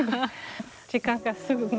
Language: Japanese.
時間がすぐ。